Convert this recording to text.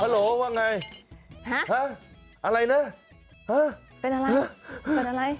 ฮัลโหลว่าไงอะไรนะเป็นอะไร